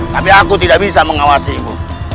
tapi aku tidak bisa mengawasiku